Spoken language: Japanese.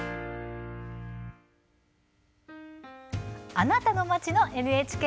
「あなたの街のＮＨＫ」。